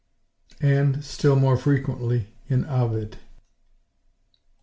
and, still more frequently, in Ovid.